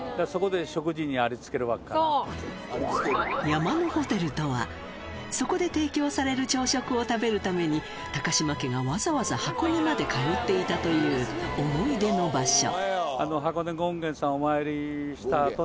「山のホテル」とはそこで提供される朝食を食べるために高嶋家がわざわざ箱根まで通っていたという思い出の場所